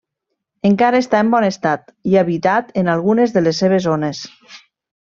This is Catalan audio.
Encara està en bon estat i habitat en algunes de les seves zones.